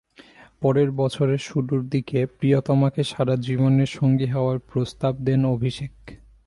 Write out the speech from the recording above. পরের বছরের শুরুর দিকে প্রিয়তমাকে সারা জীবনের সঙ্গী হওয়ার প্রস্তাব দেন অভিষেক।